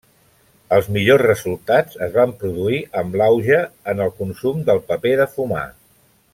Els millors resultats es van produir amb l'auge en el consum del paper de fumar.